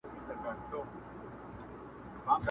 لرګی په اور کي ښوروي په اندېښنو کي ډوب دی!!